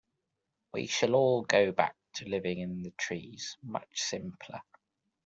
We should all go back to living in the trees, much simpler.